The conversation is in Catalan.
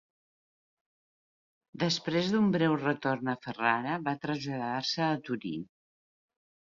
Després d'un breu retorn a Ferrara, va traslladar-se a Torí.